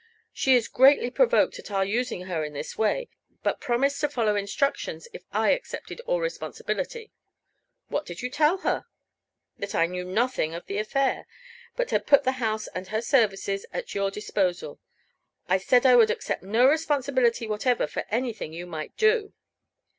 She is greatly provoked at our using her in this way, but promised to follow instructions if I accepted all responsibility." "What did you tell her?" "That I knew nothing of the affair, but had put the house and her services at your disposal. I said I would accept no responsibility whatever for anything you might do."